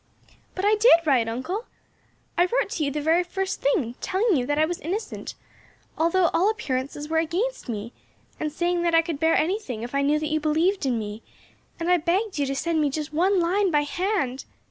"But I did write, uncle; I wrote to you the very first thing, telling you that I was innocent, although appearances were all against me, and saying that I could bear anything if I knew that you believed in me, and I begged you to send me just one line by hand.